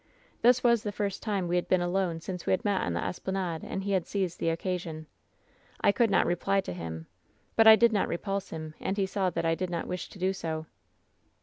"This was the first time we had been alone since we had met on the esplanade, and he had seized the occa sion. "I could not reply to him ; but I did not repulse him, and he saw that I did not wish to do so.